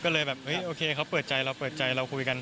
ก็เลยแบบโอเคเขาเปิดใจเราเราคุยกัน